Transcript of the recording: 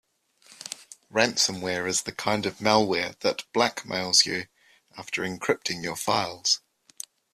Ransomware is the kind of malware that blackmails you after encrypting your files.